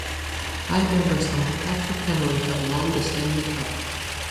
Five members of the Patrick family have won the Stanley Cup.